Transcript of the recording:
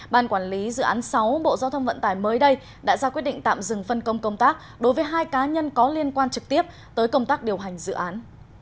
ban quản lý dự án sáu bộ giao thông vận tải mới đây đã ra quyết định tạm dừng phân công công tác đối với hai cá nhân có liên quan trực tiếp tới công tác điều hành dự án